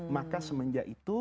maka semenjak itu